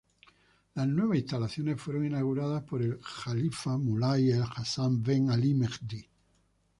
Las nuevas instalaciones fueron inauguradas por el jalifa Mulay El Hassan Ben Alí Mehdi.